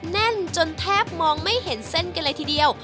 แน่นจนแทบมองไม่เห็นเส้นกันเลยทีเดียว